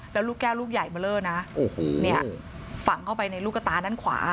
แล้วลูกแก้วลูกใหญ่มาเล่อนะฝังเข้าไปในลูกตานั้นขวา